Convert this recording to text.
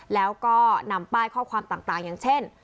แล้วก็นำป้ายข้อความต่างอย่างเช่น